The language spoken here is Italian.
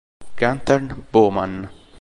Gunther Baumann